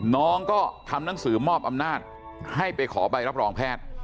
น้องก็ทำหนังสือมอบอำนาจให้ไปขอใบรับรองแพทย์